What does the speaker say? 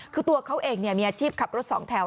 คือตัวเขาเองมีอาชีพขับรถสองแถว